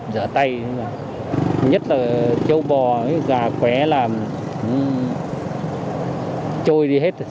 dở tay nhất là châu bò gà khỏe làm trôi đi hết